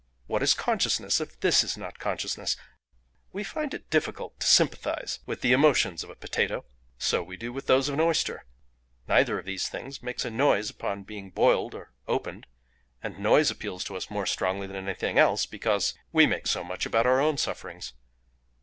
What is consciousness if this is not consciousness? We find it difficult to sympathise with the emotions of a potato; so we do with those of an oyster. Neither of these things makes a noise on being boiled or opened, and noise appeals to us more strongly than anything else, because we make so much about our own sufferings.